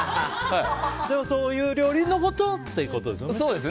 そういう料理のことをってことですね。